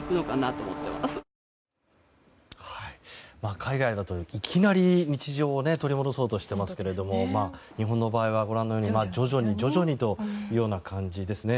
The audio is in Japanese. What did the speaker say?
海外だといきなり日常を取り戻そうとしていますが日本の場合は、ご覧のように徐々に徐々にという感じですね。